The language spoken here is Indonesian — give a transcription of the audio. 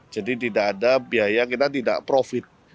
jadi tidak ada biaya kita tidak profit